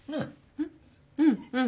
うんうんうん。